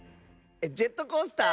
ジェットコースター？